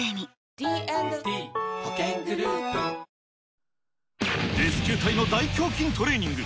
お試し容量もレスキュー隊の大胸筋トレーニング。